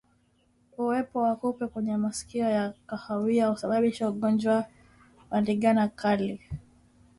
Uwepo wa kupe wenye masikio ya kahawia husababisha ugonjwa wa ndigana kali